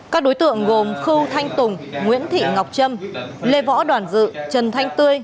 các đối tượng gồm khưu thanh tùng nguyễn thị ngọc trâm lê võ đoàn dự trần thanh tươi